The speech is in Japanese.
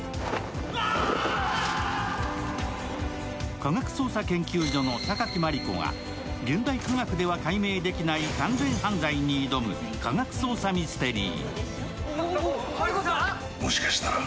科学捜査研究所の榊マリコが現代科学では解明できない完全犯罪に挑む科学捜査ミステリー。